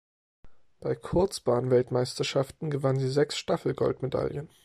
Bei Kurzbahnweltmeisterschaften gewann sie sechs Staffel-Goldmedaillen.